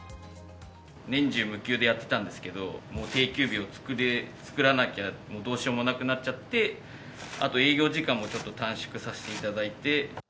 年中無休でやってたんですけど、もう定休日を作らなきゃ、どうしようもなくなっちゃって、あと営業時間もちょっと短縮させていただいて。